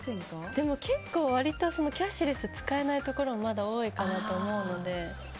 でも結構、キャッシュレスが使えないところもまだ多いかなと思うので。